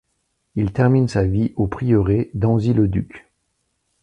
Il termine sa vie au Prieuré d'Anzy-le-Duc.